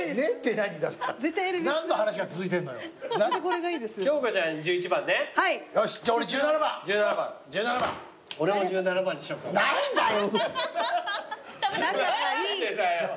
何でだよ